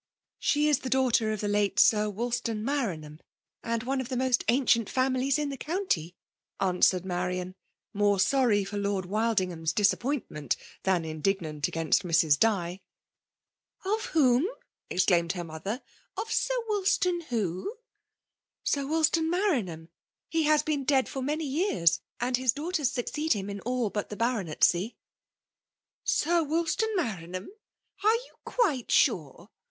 ''•* She is the daughter of the late Sir Wol stan Maranham, and of one of the most ancient families in the county," answered Marian, more sorry for Lord Wildingham's disappoint ment, than indignant against Mrs. Di. 150 FBUALB OOMINA'FIOV. '' Of whom V exclaimed her molher ;" Qi SirWdstanwho?'' '< Sir Wolstan Maranham. He has heea dead for many years ; and his daughters suc ceed him in all but the baronetcy." '^ Sir Wolstan Maranham ! Are you quite sure?"